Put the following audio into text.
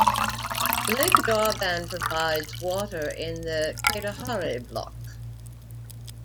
Lake Darvan provides water in the Katehari block.